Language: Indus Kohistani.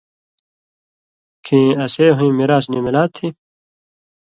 کھیں اسے ہُویں میراث نی مِلا تھی؛